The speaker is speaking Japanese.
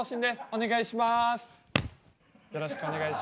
お願いします。